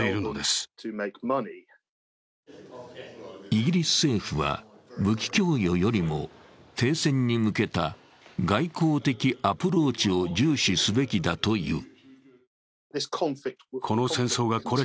イギリス政府は武器供与よりも停戦に向けた外交的アプローチを重視すべきだという。